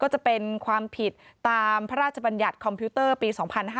จะเป็นความผิดตามพระราชบัญญัติปี๒๕๕๐